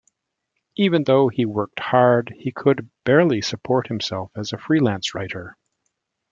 Even though he worked hard, he could barely support himself as a freelance writer.